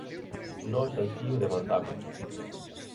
Nós así o demandamos.